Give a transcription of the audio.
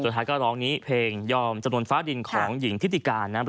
สุดท้ายก็ร้องนี้เพลงยอมจำนวนฟ้าดินของหญิงทิติการนะครับ